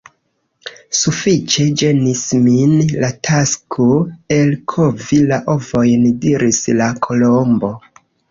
"Sufiĉe ĝenis min la tasko elkovi la ovojn," diris la Kolombo. "